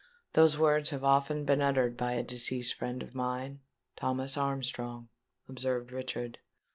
"Those words have often been uttered by a deceased friend of mine—Thomas Armstrong," observed Richard.